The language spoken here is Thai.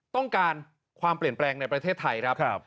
ต้องการความเปลี่ยนแปลงในประเทศไทยครับ